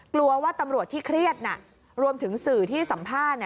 กลัวว่าตำรวจที่เครียดรวมถึงสื่อที่สัมภาษณ์